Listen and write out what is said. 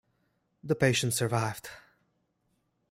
The patient survived.